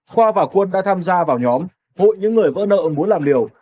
khoa và quân đã tham gia vào nhóm hội những người vỡ nợ muốn làm liều